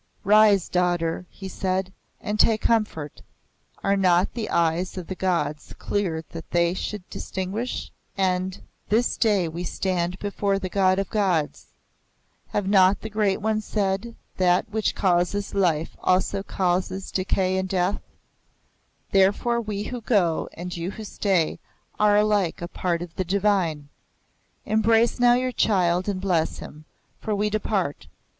"Rise, daughter!" he said, "and take comfort! Are not the eyes of the Gods clear that they should distinguish? and this day we stand before the God of Gods. Have not the Great Ones said, 'That which causes life causes also decay and death'? Therefore we who go and you who stay are alike a part of the Divine. Embrace now your child and bless him, for we depart.